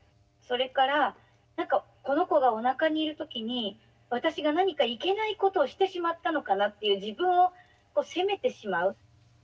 それから「この子がおなかにいる時に私が何かいけないことをしてしまったのかな」っていう自分を責めてしまう。